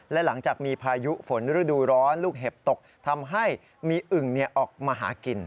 และหลังจากมีพายุฝนฤดูร้อนลูกเห็บตกทำให้มีอึ่งออกมาหากิน